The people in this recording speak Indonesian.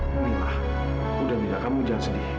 mila udah mila kamu jangan sedih